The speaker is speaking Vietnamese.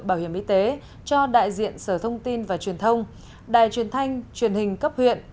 bảo hiểm y tế cho đại diện sở thông tin và truyền thông đài truyền thanh truyền hình cấp huyện